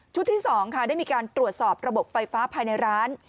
ที่๒ค่ะได้มีการตรวจสอบระบบไฟฟ้าภายในร้าน